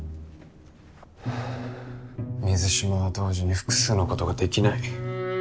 水島は同時に複数のことができない。